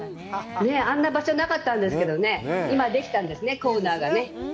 あんな場所なかったんですけどね、今、できたんですね、コーナーが。